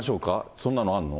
そんなのあんの？